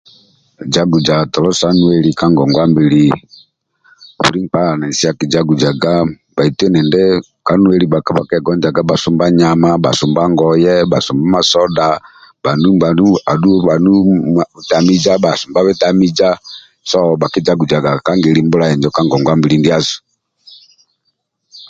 Jaguza tolo sa nueli ka ngongwa mbili buli nkpa ali na nesi akihagujaga bhaitu endindi ka nueli bhakisumba nyama bhasumba ngoye bhasumba soda bhanu bitamiza bhasumba bitamiza so bhakijagujaga ka ngeli mbula injo ka ngongwa mbili ndiasu